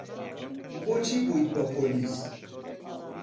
بۆچی بوویت بە پۆلیس؟